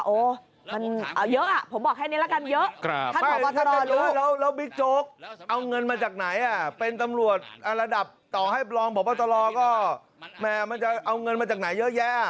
โอ๊ยมันเยอะผมบอกแค่นี้ละกันเยอะ